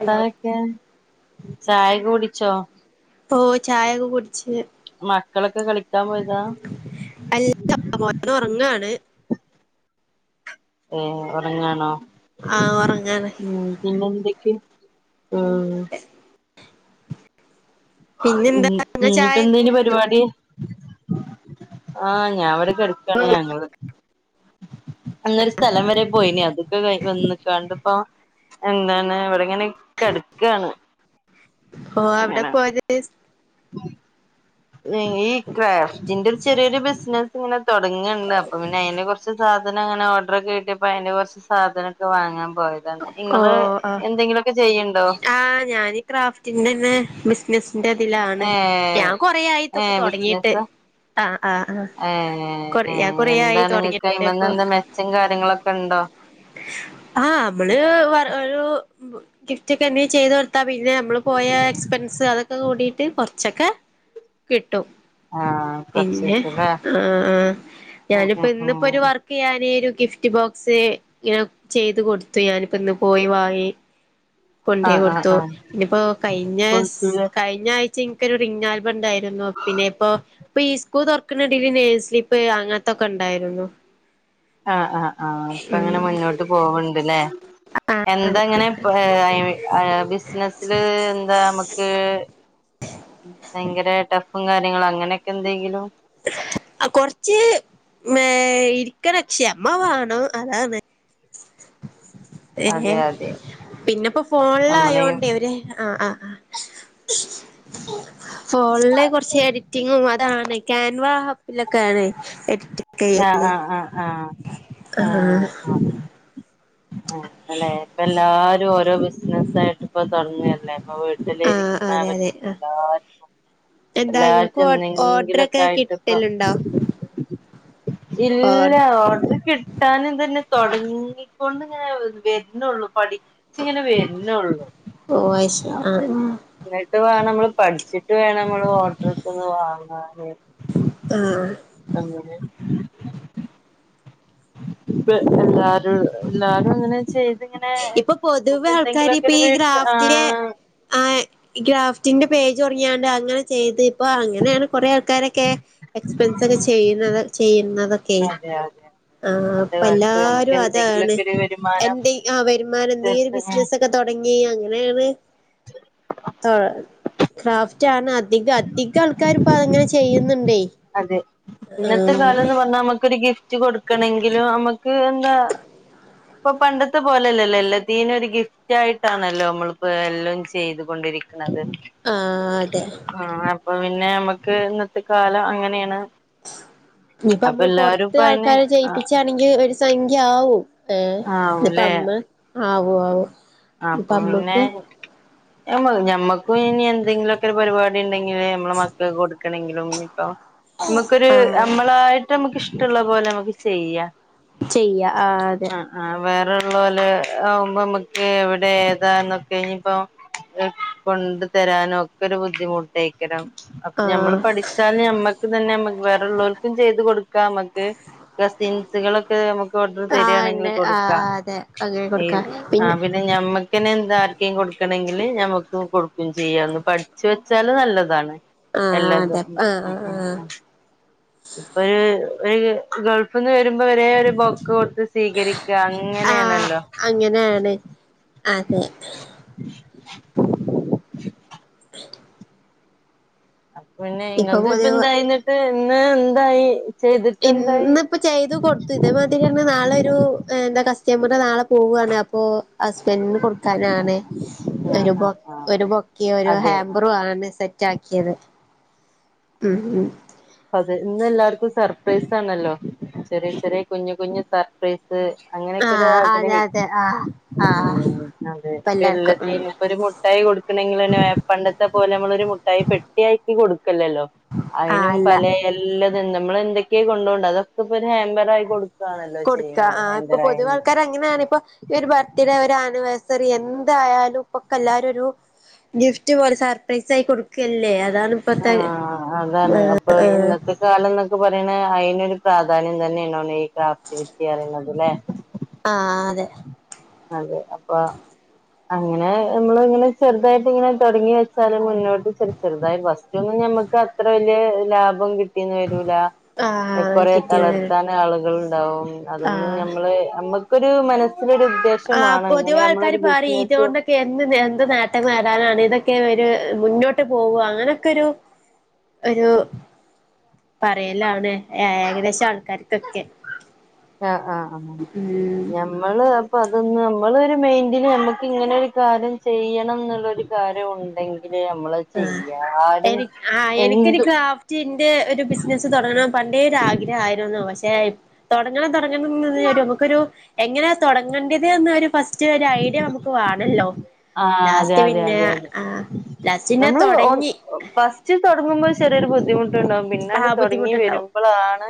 Hello പതക്കേ ചായെക്കെ കുടിച്ചോ? ഓ ചായൊകെ കുടിച്ച് ക്കളൊക്കെ കളിക്കാൻ പോയതാ അല്ല മോനൊറങ്ങാണ് ഏഹ് ഒറങ്ങാണോ ആ ഉറങ്ങാണ് ഉം പിന്നെന്തൊക്കെ ഉം ഉം പിന്നെന്താ ഉം ഇങ്ങൾ ഇന്നട്ടെ ചായൊക്കെ എന്തയിനി കുടിച്ചോ പരിപാടി ആഹ് ഞാൻവിടെ [unintelligible] ടുക്കാണ് ഞങ്ങള് അങ്ങരു സ്ഥലം വരെ പോയിനി അതൊക്കെ കഴ്ഞ് വന്ന്ക്കാണ്ട് ഇപ്പോ എന്താണ് ഇവിടെങ്ങനെ കെട്ക്കാണ് ഓഹ് അവിടെ പോയത് [unintelligible] ഇതിന്റെ ഒരു ചെറിയൊരു ബിസിനസ് ഇങ്ങനെ തൊടങ്ങിണ്ട് അപ്പൊ പിന്നെ അതിനെ കുറിച്ച് സാ ധനെ ങ്ങനെ ഓർഡർക്കെ കിട്ടിയപ്പോ അതിന്റെ കുറച്ച് സാധനൊക്കെ വാങ്ങാ ഓഹ് ചെയ്യ്ണ്ടോ ആഹ് ഞാൻ ക്രാഫ്റ്റിന്റെന്നെ ബിസിനസ് ന്റെതിലാണ് ഏഹ് ഞാൻ കൊറ ആയിതൊക്കെ തോടങ്ങിട്ട് ആഹ് ഏ ഏ ആയി തുടങ്ങിട്ട് ഇപ്പൊ എന്താണ്ങ്ങക്കയ്മന്നെന്താണ് മെച്ചം കാര്യങ്ങളൊക്കെണ്ടോ ആ നമ്മള് ഗിഫ്റ്റ് ഒക്കെ ചെയ്ത് ത്ത പിന്നെ നമ്മൾ പോയ എക്സ്പെൻസ് അതൊക്കെ കൂടിയിട്ട് കുറച്ചൊക്കെ കിട്ട് ട്ടും ആഹ് പിന്നെ കൊർച്ചീച്ചെലേ ആ ഉം ഞാനിപ്പോ ഉം ഇന്നിപ്പോ ഒരു ഉം വർക്ക് ചെയ്യാനിരു ഗിഫ്റ്റ് ബോക്സ് ഇങ്ങനെ ചെയ്ത് കൊടു ത്തു ഞാനിപ്പോ ഇന്ന് പോയി വാങ്ങി കൊണ്ടോയി ആഹ് ആഹ് കൊടുത്തു ആഹ് പിന്നിപ്പോ കഴിഞ്ഞസ് കൊഴപ്പല്ല കഴിഞ്ഞ ആഴ് [unintelligible] ഒരു റിംഗ് ആൽബം ഉണ്ടായിരുന്നു പിന്നെ ഇപ്പോ ഇപ്പൊ ഈ സ്കൂ തുറക്കണ ഇടേൽ നെയിംസ്ലിപ്പ് അങ്ങനത്തൊക്കെ ഉണ്ടായിരുന്നു ആഹ് ആഹ് ആഹ് ഇപ്പം അങ്ങനെ മുന്നോട്ട് പോവണ്ട്ല്ലേ എന്താഇങ്ങനെ [unintelligible] ബിസിനസില് എന്താ നമുക്ക് ഭയങ്കര ടഫും കാര്യങ്ങളും അങ്ങനെയൊക്കെ എന്തെങ്കിലും കൊറച്ച് ആ ഇരിക്കണം ക്ഷമ വേണം അതാണ്‌ ഏ അതെ അതെ പിന്നിപ്പോ ഫോണില് നമ്മളെയും ആയോണ്ടേ അവര് ആ ആ ഫോണിലെ കുറച്ച് എഡിറ്റിങ്ങും അതാണ് ക്യാൻവാ ആപ്പിലൊക്കെ ആണ് എടി അ അ അ അ അ അ അ ആഹ് അല്ലേ ഇപ്പം എല്ലാരും ഓരോ ബിസി ബിസിനസ്സ് ആയിട്ട് ഇപ്പൊ തുടങ്ങല്ലേ അപ്പൊ വീട്ടില് ആഹ് അതെ ഇരിക്കണആള് അതെ ആഹ് എല്ലാർക്കും എന്താ ഇങ്ങക്ക് എല്ലാർക്കും ഓ എന്തെങ്കിലുമൊക്കെ ഓർഡറൊക്കെ ആയിട്ട് ഇപ്പം കിട്ടലുണ്ടോ ഓർ ഇല്ല ഓഡറ് കിട്ടാൻ എന്തെ ഇങ്ങനെ തുടങ്ങിക്കൊണ്ട് ഇങ്ങനെ വരുന്നുള്ളൂ പഠിച്ചിങ്ങനെ വരുന്നുള്ളൂ ഓ അത് ശരി ആഹ് അപ്പങ്ങട്ട് വേണം നമ്മള് പഠിച്ചിട്ട് വേണം ഓർഡർ ഒക്കെ ഒന്ന് വാങ്ങാൻ ആഹ് അങ്ങനെ [inaudible] ഇപ്പം എല്ലാ ല്ലാരും അങ്ങനെ ചെയ് ഇപ്പൊ പൊതുവെ ആൾക്കാര് ഇപ്പ ഈ വീട്ടില് ഗ്രാഫ്റ്റിന്റെ ആഹ് ആ ഗ്രാഫ്റ്റിന്റെ പേജ് തുടങ്ങിയോണ്ട് അങ്ങനെ ചെയ്ത് അപ്പൊ അങ്ങനെയാണ് കൊറേ ആൾക്കാരൊക്കെ എക്സ്പെൻസ്ക്കെ ചെയ്യുന്നത് ചെയ്യുന്നതൊക്കെയെ അതെ അതെ ആ ഇന്നത്തെ അപ്പം കാലത്ത് നമുക്ക് എല്ലാരും അതാണ് എന്തെങ്കിലുമൊക്കെ ഒരു വരുമാനം എന്തേ ആ വരുമാനം എന്തെങ്കിലും ചേർത്ത് ബിസിനസ് ഒക്കെ തുടങ്ങി ടങ്ങി അങ്ങനെയാണ് തൊ ക്രാഫ്റ്റ് ആണ് ആ അധികം അധികം ആൾക്കാരിപ്പോ അതങ്ങനെ ചെയ്യുന്നുണ്ടേ അതെ ആഹ് റ്റ് കൊടുക്കണമെങ്കിലും നമു എന്താ ഇപ്പൊ പണ്ടത്തെ പോലെല്ലല്ലോ എല്ലാത്തീനും ഒരു ഗിഫ്റ്റ് ആയിട്ടാണല്ലോ നമ്മളിപ്പോ എല്ലാം ചെയ്തൊണ്ടിരിക്ക ആഹ് അതെ ആ അപ്പൊ പിന്നെ നമ്മുക്ക് ഇന്നത്തെ കാലം അങ്ങനെയാണ്. ഇനിപ്പോ അപ്പൊ നമ്മള് എല്ലാരും പൊറത്ത് ഇപ്പ അയിന് ആൾക്കാരെ ചേയിപ്പിച്ചാണെങ്കിൽ ഒരു സംഖ്യ ആവും. ഏഹ് ഇതിപ്പ ആവലേ. അമ്മ ആവും ആവും ഇപ്പ അപ്പൊ പിന്നെ അമ്മക്ക് ഞാൻ പറയും ഞമ്മക്കും ഇനി എന്തെങ്കിലുമൊക്കെ ഒരു പരിപാടി ഉണ്ടെങ്കിൽ മ്മെ നമ്മള മക്കക്ക് കൊടുക്കണമെങ്കിലും ഇപ്പൊ നമ്മുക്കൊരു ആഹ് നമ്മളായിട്ട് നമ്മുക്ക് ഇഷ്ട മുള്ള പോലെ നമുക്ക് ചെയ്യാം ചെയ്യ ആ അതെ വേറെ ഉള്ള പോലെ ആകുമ്പോ എവിടെ ഏതാന്നൊക്കെ ഇ ഞ്ഞപ്പോ കൊണ്ടു തരാനും ഒക്കെ ഒരു ബുദ്ധിമുട്ടേക്കണം അപ്പ ഞമ്മൾ ആഹ് പഠിച്ചാല് ഞമ്മക്ക് തന്നെക്ക് വേറെള്ളവർക്കും ചെയ്ത് കൊടുക്കാം. നമ്മക്ക് കസിൻസുകളൊക്കെ നമ്മുക്ക് ഓർഡർ ആഹ് തരിയാണെങ്കിൽ ഉണ്ട് ആഹ് കൊടുക്കാം അതെ അങ്ങനെ കൊടുക്കാ ആ പിന്നെ ഞമ്മക്കിനെ എന്താ ആർക്കും കൊടുക്കണെങ്കില് ഞമ്മക്ക് കൊടുക്കും ചെയ്യ ഒന്ന് പഠിച്ച വെച്ചാല് നല്ലതാണ്. ആഹ് അല്ലാത അതെ ആഹ് ആഹ് ആഹ് ഇപ്പൊ ഒരു ഒരു ഗൾഫിൽ നിന്ന് വരുമ്പോ ഒരേ ഒരു ബൊക്ക കൊടുത്ത ഇത് സ്വീകരിക്ക ആഹ് അങ്ങനെയാണല്ലോ. അങ്ങനെയാണ് അതെ അപ്പ പിന്നെ ഇപ്പൊ ഇങ്ങക്ക് ഇപ്പ പൊതുവ എന്തായിലും ഇത് പിന്നെ എന്തായി ചെയ്തിട്ട് എന്തായി ഇന്നിപ്പ ചെയ്തു കൊടുത്തു ഇതേമാതിരി നാളെ ഒരു എന്താ കസ് മ്മന നാളെ പോവയാണ് അപ്പൊ ഹസ്ബൻഡന് കൊടുക്കാനാണ് ആ ഒരു ആ ആ ഒരു ബൊക്കി ഒരു അതെ ഹാമ്പറു ആണ് സെറ്റ് ാക്കിയത് മം മം. അതെ ഇന്ന് എല്ലാർക്കും സർപ്രൈസ് ആണല്ലോ, ചെറിയ ചെറിയ കുഞ്ഞു കുഞ്ഞു സർപ്രൈസ് അങ്ങനെയൊക്കെ ഒ ആഹ് അതെ ആഗ്രഹിക്ക അതെ ആഹ് ഉ ആഹ് അതെ ഇപ്പ എല്ലാർക്കും ഉം വള്ളത്തിനിപ്പൊ ഒരു മുട്ടായി കൊടുക്കണെങ്കിൽന്ന പണ്ടത്തെ പോലെ നമ്മളൊ ഒരു മുട്ടായി പെട്ടിയായി കൊടു [unintelligible] ലല്ലല്ലോ ആഹ് അയിനും അല്ല പല എല്ലാം നിന്നും നമ്മൾ എന്തക്കെ കൊണ്ടോണ്ട് അതൊക്ക പ്പ ഒരു ഹാമ്പർ ആയി കൊടുക്ക കൊടുക്ക, ആ ഇപ്പൊ പൊതുവ ആൾക്കാർ അങ്ങനെയാണ് ഇപ്പൊ ഈ ഒരു ബർത്ത് ഡേ ആന്നിവർസറി എന്തായാലും ഇപ്പൊക്കല്ലാരും ഒരു ഗിഫ്റ്റ് പോലെ സർപ്രൈസ് ആയി കൊടുക്കല്ലേ. അ ആ അതാണ് അപ്പൊ ഇന്നത്തെ കാലം എന്നൊക്കെ പറയണ അ നൊരു പ്രാധാന്യം തന്നെ ഈ ക്രാഫ്റ്റ് ഗിഫ്റ്റ് പറയുന്നതലെ ആ അതെ അതെ അപ്പൊ അങ്ങനെ നമ്മള് ങ്ങനെ ചെറുതായിട്ട് ഇങ്ങനെ തുടങ്ങി വെച്ചാല് മുന്നോട്ട് ചെ ചെറുതായിട്ട് വസ് റ്റോന്നും ഞമ്മക്ക് അത്ര ല് ലാഭം കി ട്ടിന്ന് വരൂല ആഹ് കൊറെ കിട്ടിയത് തളർത്താൻ ആളുകൾ ഉണ്ടാവും അതൊന്നും ആഹ് നമ്മള് നമ്മ ഒരു മനസ്സിലൊരു ഉദ്ദേ ആ പൊതുവേ ആൾക്കാര് പറയും ഇതുകൊണ്ടൊക്കെ എന്ത് നേ എന്ത് നേട്ടം നേടാനാണ് ഇതൊക്കെ ഒരു മുന്നോട്ട് പോവ അങ്ങനൊക്കെ ഒരു ഒരു പറയലാണ് ഏകദേശം ആൾക്കാർക്കൊക്കെ ആ ആഹ് ആഹ് ഉം ഞമ്മള് അപ്പ അതൊന്ന് നമ്മൾ ഒരു മൈന്റിന് നമ്മുക്ക് ഇങ്ങനെ ഒരു കാര്യം ചെയ്യണം എന്നുള്ളരു കാര്യം ഉണ്ടെങ്കിൽ ആ എനി ആ എനിക്കൊരു എന്തു ക്രാഫ്റ്റിന്റെ ഒരു ബിസിനസ് തുടങ്ങണം പൻ ണ്ടേ ഒരു ആഗ്രഹ ആയിരുന്നു പക്ഷെ തുടങ്ങ തുടങ്ങ [unintelligible] നമുക്കൊരു എങ്ങനെയ തുടങ്ങേണ്ടത് എന്നൊരു ഫസ് സ്റ്റ് ഒരു ഐഡിയ നമുക്ക് വേണല്ലോ ആഹ് അതെ ലാസ്റ്റ് അതെ പിന്നെ അതെ അതെ ആ നമ്മള് ഒ ഫസ്റ്റ് തൊട ക്കുമ്പേ ചെറിയൊരു ബുദ്ധിമു ട്ടുണ്ടാകും പിന്ന അത് ആഹ് തുടങ്ങി ബുദ്ധിമുട്ടുണ്ടാവും വരുമ്പോളാണ്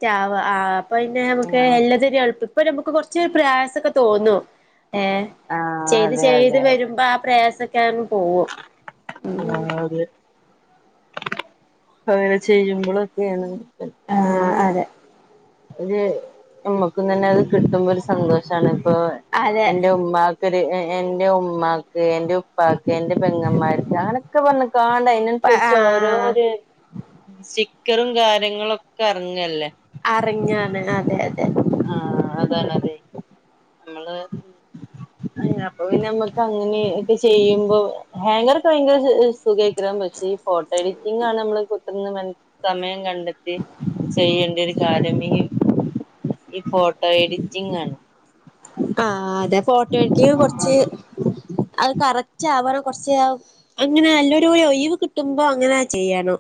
റ്റാവ ആ അപ്പ പിന്നെ നമുക്ക് ഉം എല്ലാത്തിനും എളുപ്പ ഇപ്പൊ നമുക്ക് കുറച്ച് പ്രയാസ് ക്കെ തോന്നും ഏ ആഹ് ചെയ്ത് അതെ ചെയ്ത് അതെ അതെ വരുമ്പോ ആ പ്രയാസ ക്കാൻ പോവോ ആ ഒരു അവരെ ചെയ്യുമ്പോളോക്കെയാണ് ആഹ് അങ്ങനെ അതെ അത് നമ്മക്കും തന്നെ അത് കിട്ടുമ്പോ ഒരു സന്തോഷമാണ് ഇപ്പൊ അതെ എന്റെ ഉമ്മാക്ക് എന്റെ ഉമ്മാക്ക് എൻ്റെ ഉപ്പാക്ക് എന്റെ പെങ്ങമാർക്ക് അങ്ങനെയൊക്കെ പറഞ്ഞ ക്കാണ്ട് അതിനനുസരിച്ച് ആഹ് ഓരോരു [unintelligible] സ്റ്റിക്കറും കാര്യങ്ങളുവൊക്കെ ഇറങ്ങല്ലേ അറിഞ്ഞാണ് അതെ അതെ ആ അതാണതെ നമ്മള് അപ്പൊ പിന്നെ നമ്മക്ക് അങ്ങനെ ഒക്കെ ചെയ്യുമ്പോ ഹാങ്ങർ ഒക്കെ ഭയങ്കര സു സുഖവായിട്ട് ഇടാൻ പറ്റും പക്ഷെ ഈ ഫോട്ടോ എഡിറ്റിംഗാണ് നമ്മള് കുത്തിയിരുന്ന് സമയം കണ്ട ണ്ടെത്തി ചെയ്യേണ്ടി ഒരു ഞാൻ [unintelligible] ഈ ഫോട്ടോ എഡിറ്റിംഗാണ് ആ അതെ ഫോട്ടോ എഡിറ്റിങ് കൊറച്ച് ആഹ് അത് കറക്റ്റ് ആവണം കുറച്ച് അങ്ങനെ നല്ലൊരു ഒ ഒഴിവ് കിട്ടുമ്പോ അങ്ങനെ ചെയ്യണം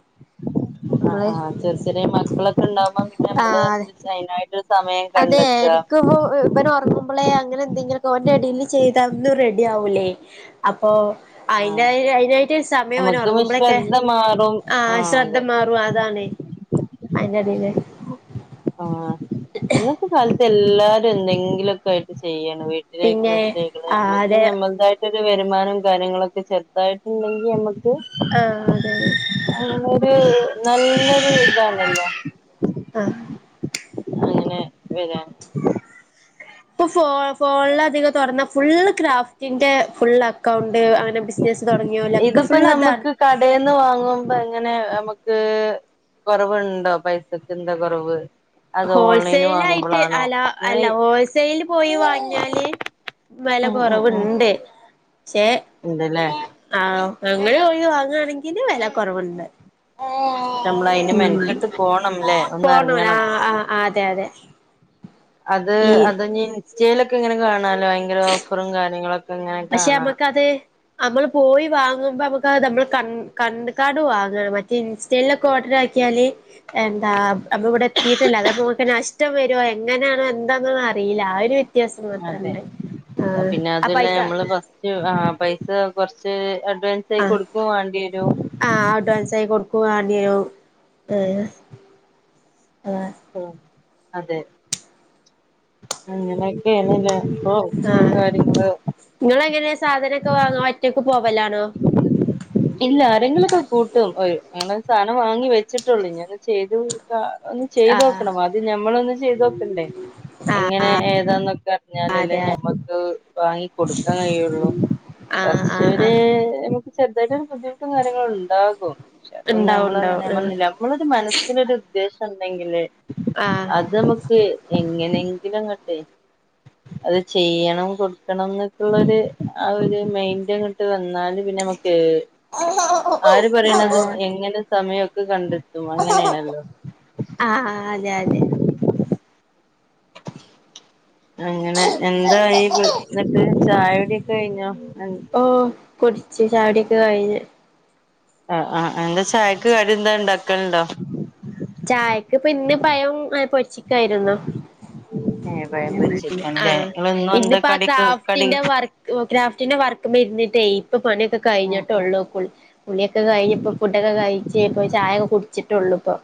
ആ നമ്മള് ആ ചെറുച്ചെറിയ മക്കളൊക്കെ ഉണ്ടാവുമ്പം ആ അതെ [inaudible] അതെ കണ്ടെത്ത എനിക്കിപ്പോ ഇവൻ ഉറങ്ങുമ്പോളേ അങ്ങനെ എന്തെങ്കിലൊക്ക ഓന്റെ എടില് ചെയ്തവൊന്ന് റെഡി ആവൂലേ അപ്പോ അയിന് ആഹ് അയിനായിട്ട് സമയം ഓൻ നമുക്ക് ഉറങ്ങുമ്പോള്ളൂക്കെ ശ്രദ്ധ മാറും ആ ആഹ് ശ്രദ്ധ അതെ മാറും അതാണ് അയിന്റെടേല് നിങ്ങക്കും [unintelligible] എല്ലാരും എന്തെങ്കിലു ഒക്കെ ആയിട്ട് ചെയ്യാം അ വീട്ടിലിരിക്കുന്ന പിന്നെ സ്ത്രീകള് ആഹ് നമ്മക്ക് അതെ നമുക്കായിട്ട് വരുമാനം കാര്യങ്ങളൊ ക്കെ ചെറുതായിട്ടുണ്ടെങ്കി ഞമ്മക്ക് ആഹ് അതെ അങ്ങനൊരു നല്ലൊരു ഇതാണല്ലോ ആഹ് അങ്ങനെ [unintelligible] ഇപ്പം ഫോ ഫോണിലധികം തുറന്ന ഫുള്ള് ക്രാഫ്റ്റിന്റെ ഫുൾ അക്കൗണ്ട് അങ്ങനെ ബിസിനസ് തുടങ്ങിയോലൊക്കെ ഇതിപ്പോ ഫുൾ അതാണ് നമ്മക്ക് കടെന്ന് വാങ്ങുമ്പോ എങ്ങനെ നമ്മക്ക് ക്ക് കൊറവുണ്ടോ പൈസക്ക് എന്താ കുറവ് ഹോൾസെയിലായിട്ട് ആ ലാ അങ്ങനെ അല്ല ഹോൾസെയില് പോയി വാങ്ങിയാല് വില ഉം ഉം ഉം കുറവുണ്ട് ചേ ഉണ്ടല്ലേ ആം അങ്ങനെ പോയി വാങ്ങാണെങ്കില് വില കുറവുണ്ട് ഞമ്മള് അയിന് ഉം മെനക്കെട്ട് പോണംല്ലേ ഒന്ന് പോണം ആ ഇറങ്ങണം ആ അതെ അതെ അത് ഈ അതുതന്നെണ് സ്റ്റൈലൊക്കെ ഇങ്ങനെ കാണാൻ [unintelligible] ഭയങ്കര ഓഫറും കാര്യങ്ങള പക്ഷെ നമുക്കത് നമ്മൾ പോയി വാങ്ങുമ്പോൾ നമുക്കത് നമ്മൾ ക ക കണ്ട്ക്കാണ്ട് വാങ്ങണം മറ്റേ ഇൻസ്റ്റലൊക്കെ ഓർഡർ ആക്കിയാല് എന്താ നമ്മൾ ഇവിടെ എത്തിയിട്ടല്ലോ അത്പ്പോ നമുക്ക് നഷ്ടം വരുമോ എങ്ങനാണോ എന്താന്നൊന്നും അറിയില്ല ആ ഒരു വ്യത്യാസം അതെ മാത്രണ്ട് ആ പിന്നെ ആ അതുല്ല പൈസ നമ്മള് ഫസ്റ്റ് ആ പൈ ത് കൊറച്ച് ആ ഫാൻസിഉടുപ്പ് വാണ്ടി വരും വാങ്ങി ഹേ [inaudible] [unintelligible] അതെ അങ്ങനെക്കെആണ്ല്ലെ ആ [inaudible] നിങ്ങളെങ്ങനെ സാധനൊക്കെ വാങ്ങ ഒറ്റക്ക് പോ പോവലാണോ ഇല്ല ആരെങ്കിലൊക്കെ കൂട്ടും ഓർ ഞങ്ങള് സാധനം വാങ്ങി വെച്ചിട്ടുള്ളൂ ഇനി അത്‌ ചെയ്തു ഒന്ന് ആ ചെയ്തോക്കണം ആദ്യം ഞമ്മളൊന്ന് ഇജ്ജ് ചെയ്തോക്കണ്ടേ ആ എങ്ങനെ ഏതാന്നൊക്കെ അറിഞ്ഞാലല്ലേ അതെ ഞമ്മക്ക് വാങ്ങി കൊടുക്കാൻ കഴിയുള്ളു ആ ആ പക്ഷെ ആ വരും ബുദ്ധിമുട്ടും കാര്യങ്ങളും ഉണ്ടാകും പക്ഷെ അതൊന്നും ഉണ്ടാവും നമ്മള് അങ്ങനെ ഉണ്ടാവും പറഞ്ഞില്ല നമ്മളൊരു മനസ്സിലൊരു ഉദ്ദേശം ണ്ടെങ്കില് ആ അത് നമുക്ക് എങ്ങനെങ്കിലുംങ്ങണ്ട് അത് ചെയ്യണം കൊടുക്കണം എന്നൊക്കുള്ള ഒരു ആ ഒരു മൈൻഡ്ങ്ങട്ട് വന്നാല് കേ ആര് ആ പറയണതും ആ എങ്ങനെ സമയം ക്കെ കണ്ട് അങ്ങനെയണല്ലോ [inaudible] ആഹ് ആഹ് അതെ അതെ അങ്ങനെ എന്താ ഈ എന്നിട്ട് ചായകുടി ഒക്കെ കഴിഞ്ഞോ അ ഓ കുടിച്ച് ചായ കുടിയൊക്കെ കഴിഞ് ആ ആ എന്താ സ്പെ ചായക്ക് കടി എന്തെങ്കിലും ഉണ്ടാക്കലുണ്ടോ ഇപ്പൊ ഇന്ന് പഴം പൊരിച്ച ക്കായിരുന്നു ഏഹ് പഴം ആ പൊരിച്ചിരിക്കാണല്ലേ നിങ്ങള് ഇന്നും എന്താ ഇന്നിപ്പോ ആ കടിക്ക് കടി ക്രാഫ്റ്റിന്റെ വർക്ക് ക്രാഫ്റ്റിന്റെ വർക്ക് മ്മേ ഇരുന്നിട്ട് ഇപ്പൊ പണിയൊക്കെ ഉം ഉം കഴിഞ്ഞിട്ടെള്ളൂ കുളി കുളിയൊക്കെ കഴിഞ്ഞപ്പോ കു കഴിച്ചേ ഇപ്പ ചായെക്കെ കുടിച്ചിട്ടൂള്ളൂപ്പം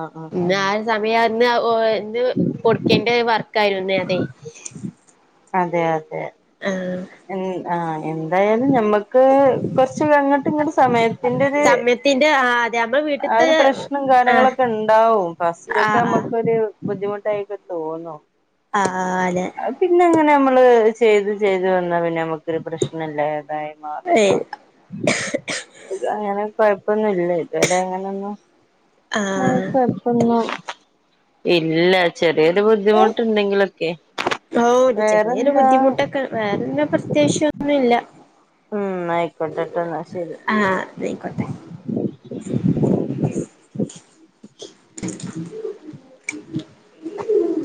ആഹ് ആഹ് ഉം ഇന്നായ സമയം [unintelligible] ഇന്നു കൊടുക്കേണ്ടൊരു വർ കരുന്നേ അതെ അതെ അതെ. ആഹ് [unintelligible] ആ എന്തായാലു ഞമ്മക്ക്... കൊർച്ചാഅങ്ങട്ട്ങ്ങട്ടും സമയത്തിന്റൊര് സമയത്തിന്റെ ആ അതെ നമ്മളെ ആ വീട്ട്ത്തെ ഒരു പ്രശ്നും ആഹ് കാര്യങ്ങളൊക്കെ ഇണ്ടാവും, ഫസ്റ്റൊക്കെ ആഹ് ആഹ് അമ്മക്കൊര് ബുദ്ധിമുട്ടായിക്കെത്തോന്നോ? ആഹ് അതെ അഅ് പിന്നെങ്ങനാമ്മള് ചെയ്ത് ചെയ്ത് വന്നാ പിന്നെ നമുക്കൊരു പ്രശ്നല്ലേ ആയി മാറുട്ടോ. അങ്ങനെ കൊയപ് [inaudible] ഇല്ല ഇതുവരെ അങ്ങനൊന്നും [unintelligible] ആഹ് എങ്ങനൊന്നപ്പൊന്ന ഇല്ലാ ച്ച് യൊരു ബുദ്ധിമുട്ടുണ്ടെങ്കിലൊക്കെ ഓ ഒരു ചെറിയൊരു വേറെന്താ ബുദ്ധിമുട്ടൊക്കെ വേറെന്ന പ്രത്യയാശൊന്നുമില്ല [inaudible] ഉം ആയിക്കോട്ടെട്ടൊന്നാ ശരി. ആഹ് ന്നായിക്കോട്ടെ [unintelligible]